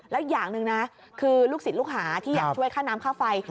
แล้วอย่างหนึ่งนะคือลูกศิษย์ลูกหาที่อยากช่วยค่าน้ำค่าไฟ